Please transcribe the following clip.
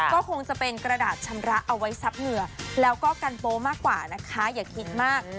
ก็คงจะเป็นกระดาษชำระเอาไว้ซับเหงื่อแล้วก็กันโป๊มากกว่านะคะอย่าคิดมาก